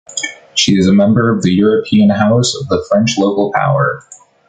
She is a member of the European House of the French Local Power.